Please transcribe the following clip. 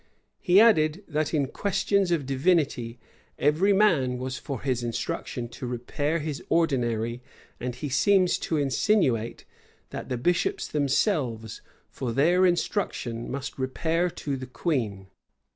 He added, that in questions of divinity, every man was for his instruction to repair to his ordinary; and he seems to insinuate, that the bishops themselves, for their instruction, must repair to the queen.